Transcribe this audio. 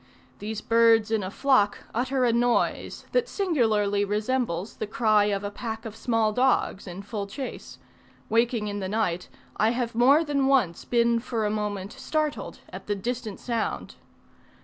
These birds in a flock utter a noise, that singularly resembles the cry of a pack of small dogs in full chase: waking in the night, I have more than once been for a moment startled at the distant sound.